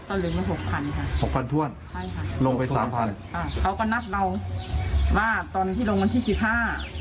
ก็เหลือมาหกพันค่ะหกพันถ้วนใช่ค่ะลงไปสามพันอ่าเขาก็นัดเราว่าตอนที่ลงวันที่สิบห้า